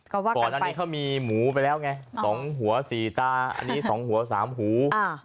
ก่อนอันนี้เขามีหมูไปแล้วไง๒หัว๔ตาอันนี้๒หัว๓หู